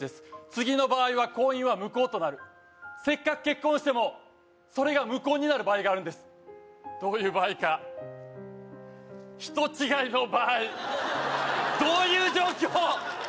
次の場合は婚姻は無効となるせっかく結婚してもそれが無効になる場合があるんですどういう場合か人違いの場合どういう状況？